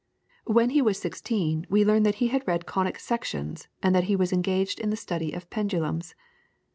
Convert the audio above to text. When he was sixteen we learn that he had read conic sections, and that he was engaged in the study of pendulums.